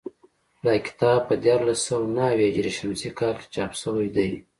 دا کتاب په دیارلس سوه نهه اویا هجري شمسي کال کې چاپ شوی دی